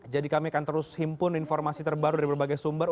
jadi kami akan terus menghimpun informasi terbaru dari berbagai sumber